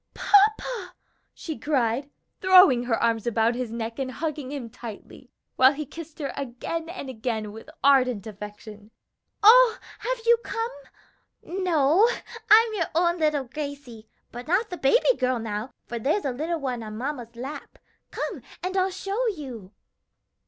"Papa!" she cried, throwing her arms about his neck and hugging him tightly, while he kissed her again and again with ardent affection, "oh, have you come? No, I'm your own little Gracie, but not the baby girl now, for there's a little one on mamma's lap. Come, and I'll show you."